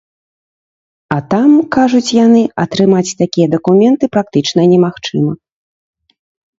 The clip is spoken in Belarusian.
А там, кажуць яны, атрымаць такія дакументы практычна немагчыма.